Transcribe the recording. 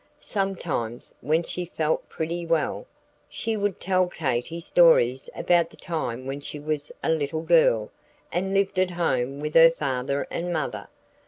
Sometimes, when she felt pretty well, she would tell Katy stories about the time when she was a little girl and lived at home with her father and mother.